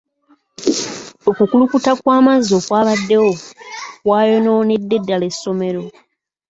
Okukulukuta kw'amazzi okwabaddewo kwayonoonedde ddaala essomero.